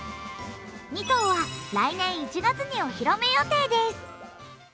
２頭は来年１月にお披露目予定です。